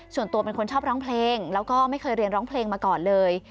ส่วนตัวเป็นคนชอบร้องเพลงแล้วก็ไม่เคยเรียนร้องเพลงมาก่อนเลย